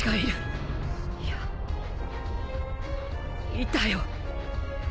いたよ。